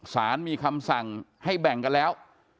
สารมีคำสั่งให้แบ่งกันแล้ว